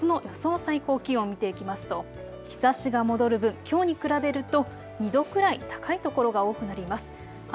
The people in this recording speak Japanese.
最高気温見ていきますと日ざしが戻る分、きょうに比べると２度くらい高い所が多くなります。